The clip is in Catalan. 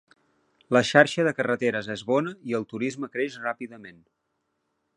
La xarxa de carreteres és bona i el turisme creix ràpidament.